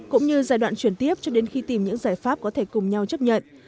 cũng như giai đoạn chuyển tiếp cho đến khi tìm những giải pháp có thể cùng nhau chấp nhận